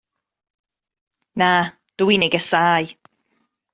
Na, dw i'n ei gasáu.